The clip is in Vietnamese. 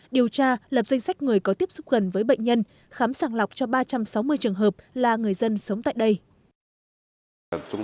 điều tra lập danh sách người có tiếp xúc gần với bệnh nhân khám sàng lọc cho ba trăm sáu mươi trường